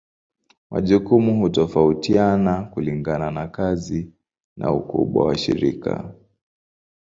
Majukumu hutofautiana kulingana na kazi na ukubwa wa shirika.